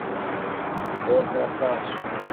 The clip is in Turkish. Koordinatlar.